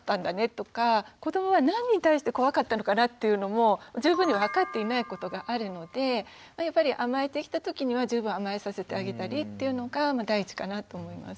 子どもは何に対して怖かったのかなっていうのも十分に分かっていないことがあるのでやっぱり甘えてきた時には十分甘えさせてあげたりっていうのが第一かなと思います。